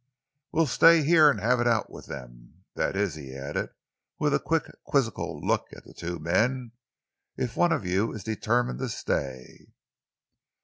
We'll stay here and have it out with them. That is," he added with a quick, quizzical look at the two men, "if one of you is determined to stay."